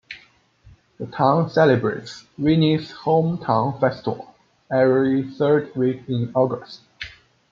The town celebrates "Winnie's Hometown Festival" every third week in August.